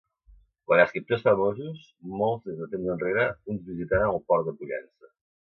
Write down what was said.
Quant a escriptors famosos, molts des de temps enrere un visitaren el Port de Pollença.